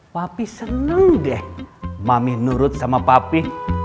papi seneng deh mami nurut sama papi